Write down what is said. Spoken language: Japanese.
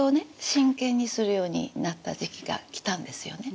真剣にするようになった時期が来たんですよね。